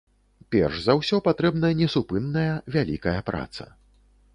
Перш за ўсё патрэбна несупынная вялікая праца.